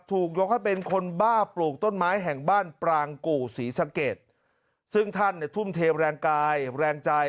ถูกยกให้เป็นคนบ้าปลูกต้นไม้แห่งบ้านปรางกู่ศรีสะเกดซึ่งท่านเนี่ยทุ่มเทแรงกายแรงใจ